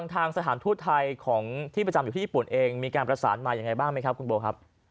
สถานทูตไทยของที่ประจำอยู่ที่ญี่ปุ่นเองมีการประสานมายังไงบ้างไหมครับคุณโบครับ